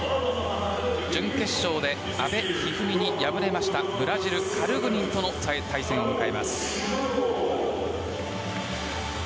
準決勝で阿部一二三に敗れましたブラジルカルグニンとの対戦を迎えます。